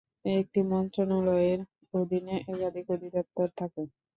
একটি মন্ত্রণালয়ের অধীনে একাধিক অধিদপ্তর থাকে।